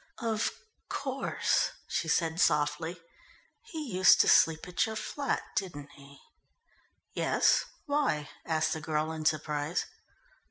"Of course," she said softly. "He used to sleep at your flat, didn't he?" "Yes, why?" asked the girl in surprise.